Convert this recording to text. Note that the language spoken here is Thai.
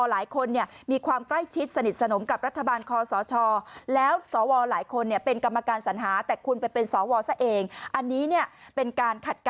ลงหรือเปล่า